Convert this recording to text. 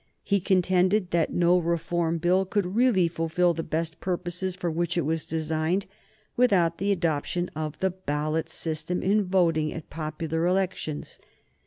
He contended that no Reform Bill could really fulfil the best purposes for which it was designed without the adoption of the ballot system in the voting at popular elections.